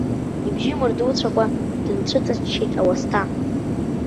Ибжьы мырдуцәакәа, дынцәыҵаччеит ауасҭа.